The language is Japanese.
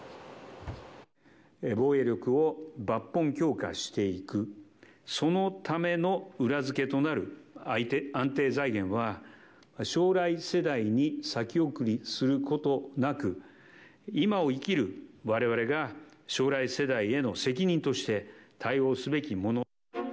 防衛力を抜本強化していく、そのための裏付けとなる安定財源は、将来世代に先送りすることなく、今を生きるわれわれが将来世代への責任として対応すべきもの。